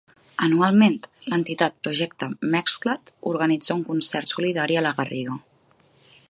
Anualment, l'entitat Projecte Mexcla't organitza un concert solidari a la Garriga.